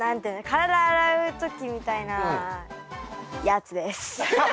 体洗う時みたいなやつです。